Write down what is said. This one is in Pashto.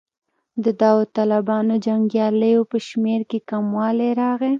د داوطلبو جنګیالیو په شمېر کې کموالی راغی.